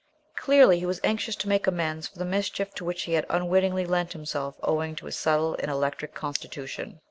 Clearly he was anxious to make amends for the mischief to which he had unwittingly lent himself owing to his subtle and electric constitution.